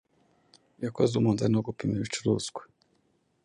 Yakoze umunzani wo gupima ibicuruzwa